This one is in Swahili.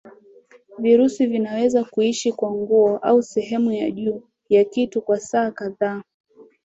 Virusi vinaweza kuishi kwa nguo au sehemu ya juu ya kitu kwa saa kadhaa